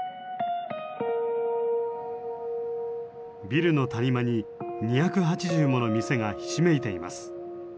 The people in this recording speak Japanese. ビルの谷間に２８０もの店がひしめいています。